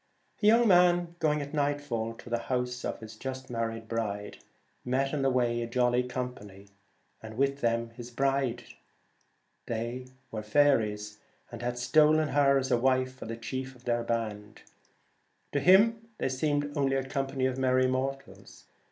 A young man going at nightfall to the house of his just married bride, met in the way a jolly company, and with them his bride. They were faeries, and had stolen her as a wife for the chief of their band. To him they seemed only a company of merry mortals.